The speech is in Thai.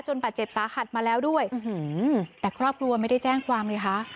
บาดเจ็บสาหัสมาแล้วด้วยแต่ครอบครัวไม่ได้แจ้งความไงคะ